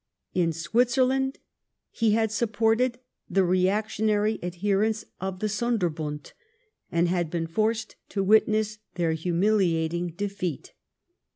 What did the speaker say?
In Switzerland he had supported the reactionary adherents of the Sonderbund and had been forced to witness their humiliating defeat.